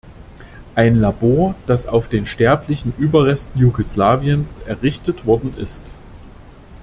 Ein Labor, das auf den sterblichen Überresten Jugoslawiens errichtet worden ist!